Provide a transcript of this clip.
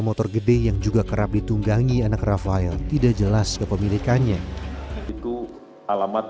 motor gede yang juga kerap ditunggangi anak rafael tidak jelas kepemilikannya itu alamat